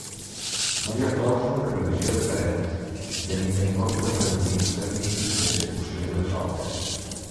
No hi ha clàusula de revisió de preus, tenint en compte els reduïts terminis d'execució de les obres.